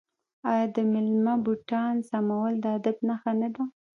آیا د میلمه بوټان سمول د ادب نښه نه ده؟